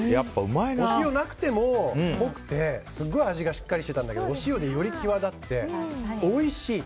お塩なくても濃くてすごい味がしっかりしているけど塩でより際立っておいしい。